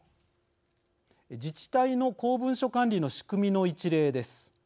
自治体の公文書管理の仕組みの一例です。